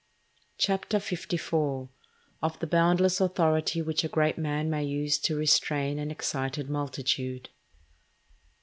CHAPTER LIV.—Of the boundless Authority which a great Man may use to restrain an excited Multitude.